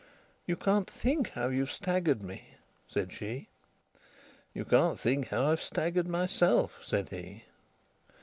"You can't think how you've staggered me," said she. "You can't think how I've staggered myself," said he.